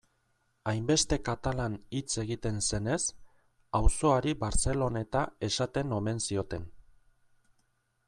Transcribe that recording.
Hainbeste katalan hitz egiten zenez, auzoari Barceloneta esaten omen zioten.